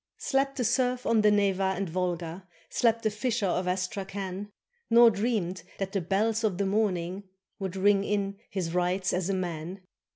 Slept the serf on the Neva and Volga, Slept the fisher of Astrakhan, 209 RUSSIA Nor dreamed that the bells of the morning Would ring in his rights as a man.